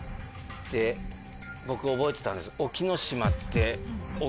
で僕覚えてたんです。